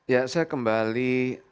ya saya kembali